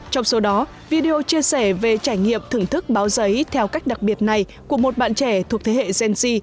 trong số đó video chia sẻ về trải nghiệm thưởng thức báo giấy theo cách đặc biệt này của một bạn trẻ thuộc thế hệ gen z